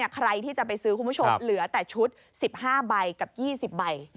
ใครที่จะไปซื้อคุณผู้ชมเหลือแต่ชุด๑๕ใบกับ๒๐ใบ